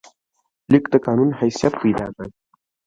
لیک د قانون حیثیت پیدا کړ.